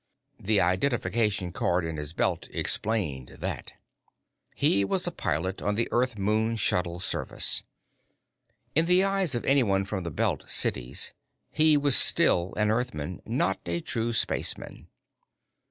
The identification card in his belt explained that; he was a pilot on the Earth Moon shuttle service. In the eyes of anyone from the Belt cities, he was still an Earthman, not a true spaceman.